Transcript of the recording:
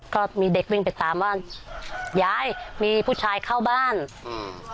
ก็มีเด็กวิ่งไปตามว่ายายมีผู้ชายเข้าบ้านอืม